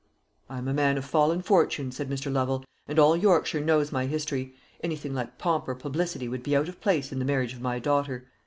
"I am a man of fallen fortunes," said Mr. Lovel, "and all Yorkshire knows my history. Anything like pomp or publicity would be out of place in the marriage of my daughter.